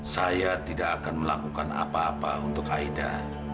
saya tidak akan melakukan apa apa untuk aida